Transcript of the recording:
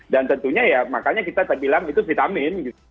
dan tentunya makanya kita bilang itu vitamin